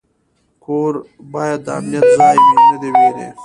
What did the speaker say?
کور باید د امنیت ځای وي، نه د ویرې.